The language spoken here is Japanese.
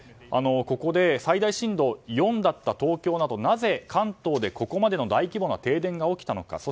ここで最大震度４だった東京などなぜ関東でここまでの大規模な停電が起きたのか。